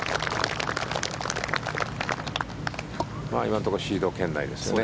今のところシード圏内ですね。